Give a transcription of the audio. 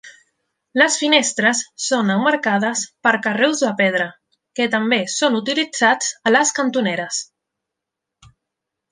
Les finestres són emmarcades per carreus de pedra, que també són utilitzats a les cantoneres.